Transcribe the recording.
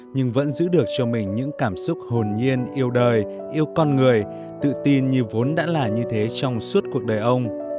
nhưng vẫn giữ được cho mình những cảm xúc hồn nhiên yêu đời yêu con người tự tin như vốn đã là như thế trong suốt cuộc đời ông